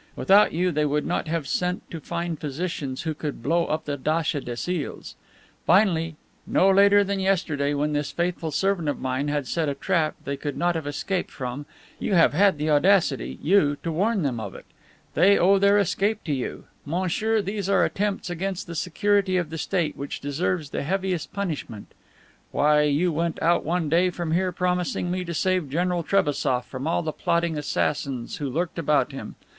Without you, they would not have sent to find physicians who could blow up the datcha des Iles. Finally, no later than yesterday, when this faithful servant of mine had set a trap they could not have escaped from, you have had the audacity, you, to warn them of it. They owe their escape to you. Monsieur, those are attempts against the security of the State which deserves the heaviest punishment. Why, you went out one day from here promising me to save General Trebassof from all the plotting assassins who lurked about him.